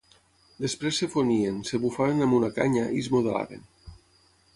Després es fonien, es bufaven amb una canya i es modelaven.